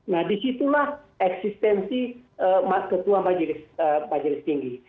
nah disitulah eksistensi ketua majelis tinggi